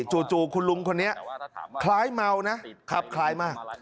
จู่คุณลุงคนนี้คล้ายเมานะขับคล้ายมาก